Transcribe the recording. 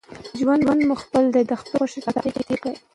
ژوند مو خپل دئ، د خپلي خوښي مطابق ئې تېر که!